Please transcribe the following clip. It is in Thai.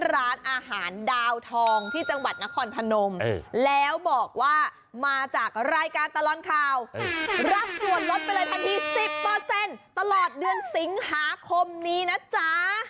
รักส่วนลดไปเลยทันที๑๐ตลอดเดือนสิงหาคมนี้นะจ๊ะ